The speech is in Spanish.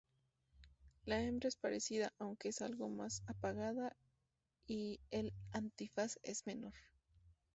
La hembra es parecida, aunque es algo más apagada, y el antifaz es menor.